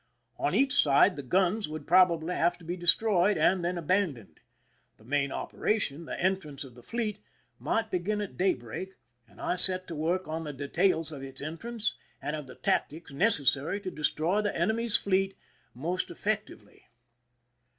On each side the guns would probably have to be destroyed and then aban doned. The main operation, the entrance of the fleet, mig:ht begin at daybreak, and I set to work on the details of its entrance and of the tactics necessary to destroy the enemy's fleet most effec tually.